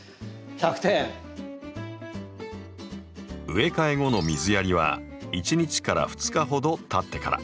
植え替え後の水やりは１日２日ほどたってから。